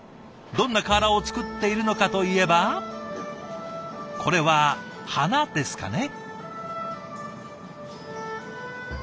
どんな瓦を作っているのかといえばこれは花ですかね？